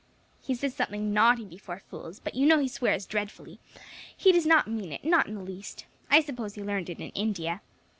He says something naughty before fools, but you know he swears dreadfully; he does not mean it, not in the least; I suppose he learned it in India.